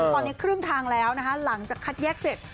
ตอนนี้ครึ่งทางแล้วนะคะหลังจากคัดแยกเสร็จ